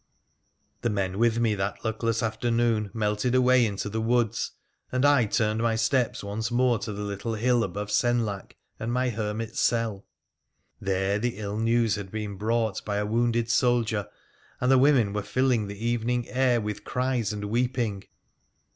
The men with me that luckless afternoon melted away into the woods, and I turned my steps once more to the little hill above Senlac and my hermit's cell. There the ill news had been brought by a wounded soldier, and the women were filling the evening air with cries and weeping.